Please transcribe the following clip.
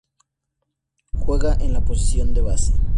Juega en la posición de base.